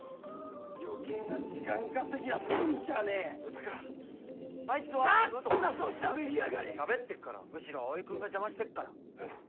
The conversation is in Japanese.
余計な時間稼ぎはすんじゃねえだからあいつはさっさとしゃべりやがれしゃべってっからむしろ葵君が邪魔してっからえっ？